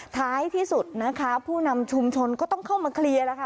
ท้ายที่สุดนะคะผู้นำชุมชนก็ต้องเข้ามาเคลียร์แล้วค่ะ